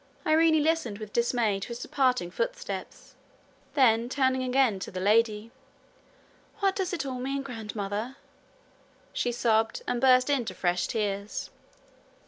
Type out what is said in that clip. Irene listened with dismay to his departing footsteps. Then turning again to the lady: 'What does it all mean, grandmother?' she sobbed, and burst into fresh tears.